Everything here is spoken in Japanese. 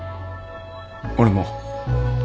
俺も。